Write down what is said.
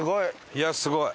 いやあすごい！